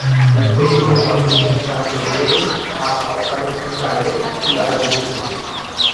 upéi oguapy mesa jerere ha okarupyhare py'arorýpe.